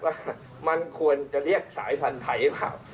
ว่ามันควรจะเรียกสายพันธุ์ไทยหรือเปล่า